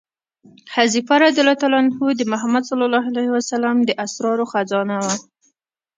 حذیفه رض د محمد صلی الله علیه وسلم د اسرارو خزانه وه.